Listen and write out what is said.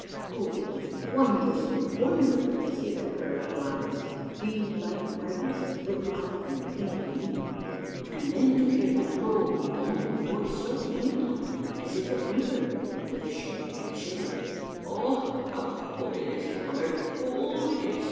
Oh, it was wondrously wonderful to see that pair of little eyes, beadlike in brightness, look up and blink at me ; and then 182 A MARVELLOUS UNDERGROUND JOURNEY to hear that low, moaning voice, so human like, as if it whim pered, with a shake and a shiver, —" Oh, how cold it is ! how very cold it is